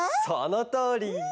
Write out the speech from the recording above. そのとおり！